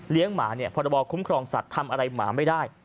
หมาเนี่ยพรบคุ้มครองสัตว์ทำอะไรหมาไม่ได้